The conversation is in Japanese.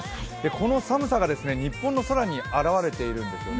この寒さが日本の空に現れているんですね。